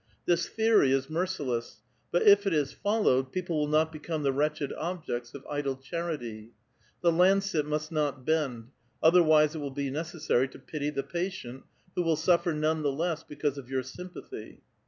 This theory is merciless ; but if it is followed, people will not become the wretched objects of idle charity. The lancet must not bend ; othei'wise it will be necessary to pity the patient, who will suffer none the less because of your sympathy.